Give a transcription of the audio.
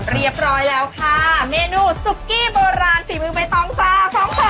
เรียบร้อยแล้วค่ะเมนูซุกกี้โบราณฝีมือใบตองจ้าพร้อมค่ะ